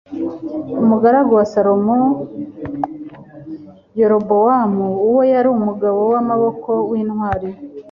umugaragu wa salomo, yerobowamu uwo yari umugabo w'amaboko w'intwari